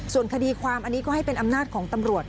ส่วนคดีความอันนี้ก็ให้เป็นอำนาจของตำรวจ